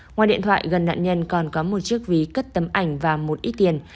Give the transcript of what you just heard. ngoài điện thoại gần nạn nhân còn có một chiếc ví cất tấm ảnh và một ít tiền